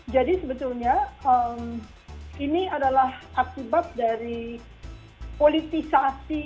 jadi sebetulnya ini adalah akibat dari politisasi